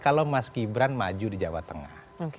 kalau mas gibran maju di jawa tengah